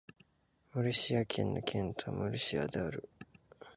ムルシア県の県都はムルシアである